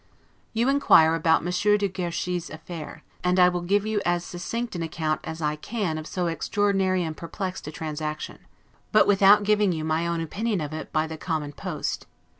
You inquire about Monsieur de Guerchy's affair; and I will give you as succinct an account as I can of so extraordinary and perplexed a transaction: but without giving you my own opinion of it by the common post.